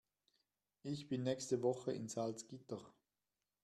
Ich bin nächste Woche in Salzgitter